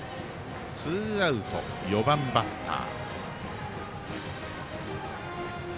ツーアウト、４番バッター。